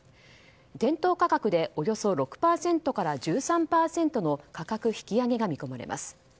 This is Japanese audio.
店頭価格でおよそ６％から１３％の価格引き上げが見込まれます。